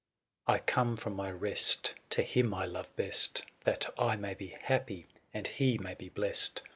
*' I come from my rest to him I love best, *' That I may be happy, and he may be blest.